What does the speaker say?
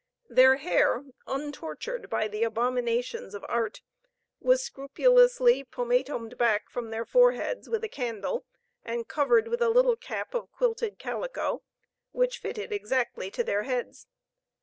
Their hair, untortured by the abominations of art, was scrupulously pomatomed back from their foreheads with a candle, and covered with a little cap of quilted calico, which fitted exactly to their heads.